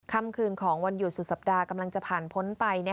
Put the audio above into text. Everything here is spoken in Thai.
คำคืนของวันหยุดสุดสัปดาห์กำลังจะผ่านพ้นไป